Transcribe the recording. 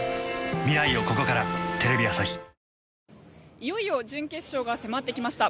いよいよ準決勝が迫ってきました。